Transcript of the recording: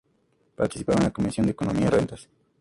Participa en la comisión de economía y rentas.